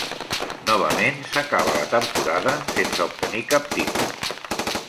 Novament s'acaba la temporada sense obtenir cap títol.